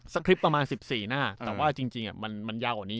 สคริปต์ประมาณสิบสี่หน้าอืมแต่ว่าจริงจริงอ่ะมันมันยากกว่านี้